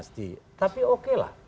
pasti tapi oke lah